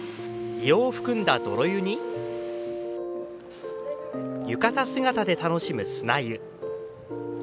硫黄を含んだ泥湯に浴衣姿で楽しむ砂湯。